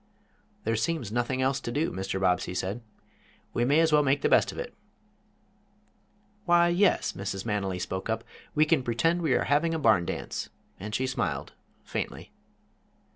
"There seems nothing else to do," Mr. Bobbsey said. "We may as well make the best of it." "Why, yes," Mrs. Manily spoke up, "we can pretend we are having a barn dance." And she smiled, faintly.